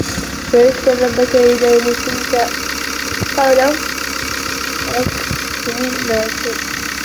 وَاذْكُرْ رَبَّك إذَا نَسِيتَ قَالَ عِكْرِمَةُ